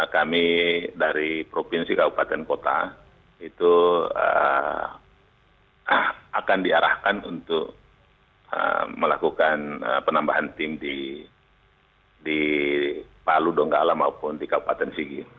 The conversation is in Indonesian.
kami dari provinsi kabupaten kota itu akan diarahkan untuk melakukan penambahan tim di palu donggala maupun di kabupaten sigi